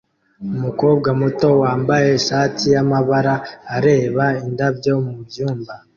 Umukobwa muto wambaye ishati yamabara areba indabyo mubyumba